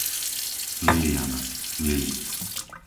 Liliana, Lili